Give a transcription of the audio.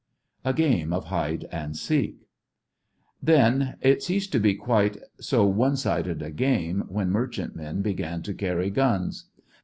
A GAME OF HIDE AND SEEK Then, it ceased to be quite so one sided a game when merchantmen began to carry guns.